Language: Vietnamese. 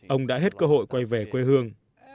ông đã hết cơ hội quay về quê hương